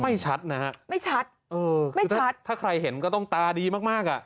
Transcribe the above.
ไม่ชัดนะครับคือถ้าใครเห็นก็ต้องตาดีมากค่ะไม่ชัด